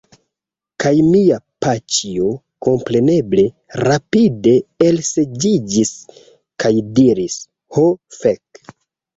Kaj mia paĉjo, kompreneble, rapide elseĝiĝis, kaj diris: "Ho fek!"